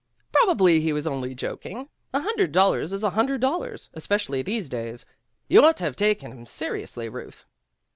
4 'Probably he was only joking. A hundred dollars is a hundred dollars, especially these days. You oughtn't to have taken him seriously, Ruth."